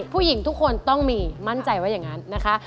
ผู้หญิงทุกคนต้องมีมั่นใจว่าอย่างนั้นนะคะ